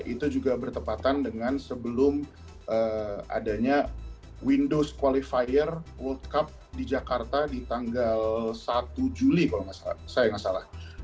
itu juga bertepatan dengan sebelum adanya windows qualifier world cup di jakarta di tanggal satu juli kalau saya nggak salah